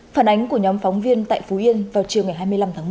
phản ánh của nhóm phóng viên tại phú yên vào chiều ngày hai mươi năm tháng một